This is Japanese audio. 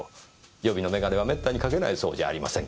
予備の眼鏡は滅多にかけないそうじゃありませんか。